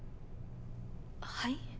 はい？